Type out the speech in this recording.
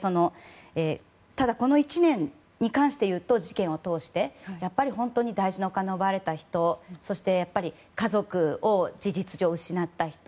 ただ、この１年に関していうと事件を通して本当に大事なお金を奪われた人そして、家族を事実上失った人。